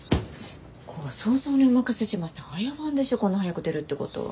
ご想像にお任せしますって早番でしょこんな早く出るってことは。